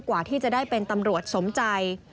กว่าที่จะได้เป็นตำรวจสมใจ